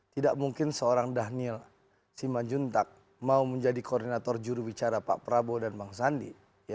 tidak mungkin seorang dhanil simanjuntak mau menjadi koordinator jurubicara pak prabowo dan bang sandi